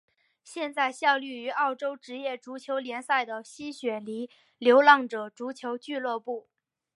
现在效力于澳洲职业足球联赛的西雪梨流浪者足球俱乐部。